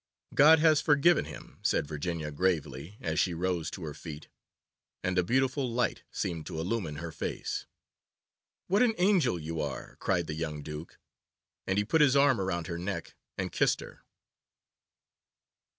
'God has forgiven him,' said Virginia gravely, as she rose to her feet, and a beautiful light seemed to illumine her face. 'What an angel you are!' cried the young Duke, and he put his arm round her neck and kissed her.